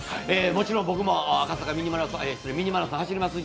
もちろん僕もミニマラソン走ります。